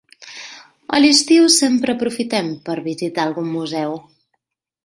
A l'estiu sempre aprofitem per visitar algun museu.